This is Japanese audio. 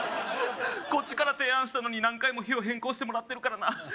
こっちから提案したのに何回も日を変更してもらってるからな